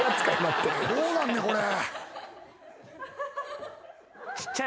どうなんねこれ？